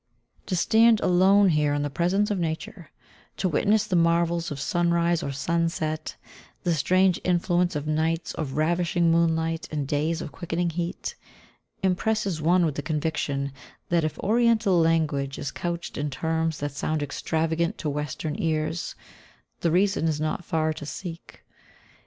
To stand alone here in the presence of Nature, to witness the marvels of sunrise or sunset, the strange influence of nights of ravishing moonlight and days of quickening heat, impresses one with the conviction that if Oriental language is couched in terms that sound extravagant to Western ears, the reason is not far to seek.